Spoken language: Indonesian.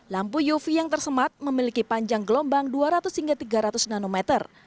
lampu uv yang tersemat memiliki panjang gelombang dua ratus hingga tiga ratus nanometer